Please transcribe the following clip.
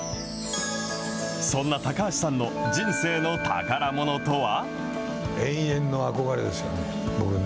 そんな高橋さんの人生の宝ものとは。